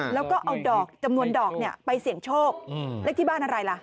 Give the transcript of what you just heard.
แล้วก็เอาดอกจำนวนดอกเนี่ยไปเสี่ยงโชคเลขที่บ้านอะไรล่ะ